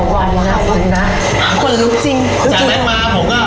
อ๋อว้าวแล้วนะคนรู้จริงคือจากนั้นมาผมก็